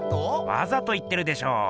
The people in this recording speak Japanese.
わざと言ってるでしょ。